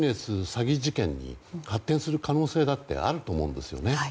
詐欺事件に発展する可能性だってあると思うんですよね。